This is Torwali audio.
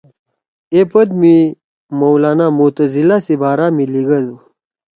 اے پود می مولانا معتزلہ سی بارا می لیِگَدُو